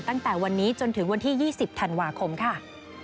ตั้งแต่วันนี้จนถึงวันที่๒๐ธันวาคมค่ะ